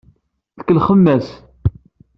Tkellxem-as.